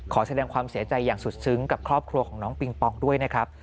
ขอแสดงความเสียใจอย่างสุดซึ้งกับครอบครัวของน้องปิงปองด้วยนะครับ